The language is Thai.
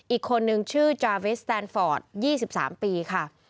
อีกคนนึงชื่อจาร์วิสแตนฟอร์ตยี่สิบสามปีค่ะ